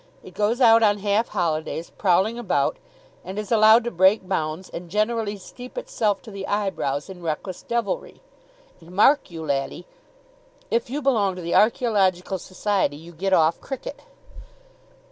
It goes out on half holidays, prowling about, and is allowed to break bounds and generally steep itself to the eyebrows in reckless devilry. And, mark you, laddie, if you belong to the Archaeological Society you get off cricket.